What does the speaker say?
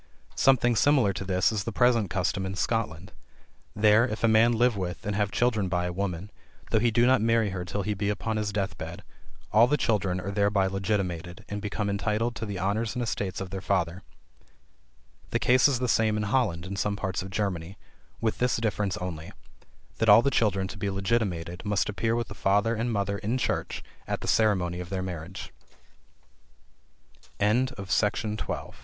Something similar to this is the present custom in Scotland. There, if a man live with, and have children by a woman, though he do not marry her till he be upon his death bed, all the children are thereby legitimated and become entitled to the honors and estates of their father. The case is the same in Holland and some parts of Germany; with this difference only, that all the children to be legitimated must appear with the father and mother in church at the ceremony of their marriage. FEMALE FRIENDSHIP.